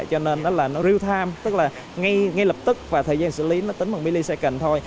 cho nên nó là real time tức là ngay lập tức và thời gian xử lý nó tính bằng millisecond thôi